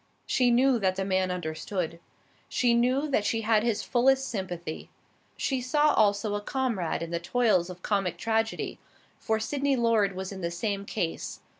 She knew that the man understood. She knew that she had his fullest sympathy. She saw also a comrade in the toils of comic tragedy, for Sydney Lord was in the same case.